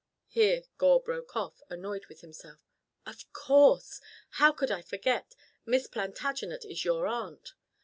Here Gore broke off, annoyed with himself. "Of course. How could I forget? Miss Plantagenet is your aunt."